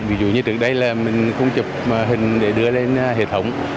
ví dụ như trước đây là mình không chụp hình để đưa lên hệ thống